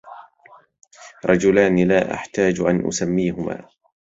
رجلان لا أحتاج أن أسميهما